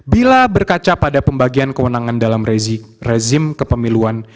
bila berkaca pada pembagian kewenangan dalam rezim kepemiluan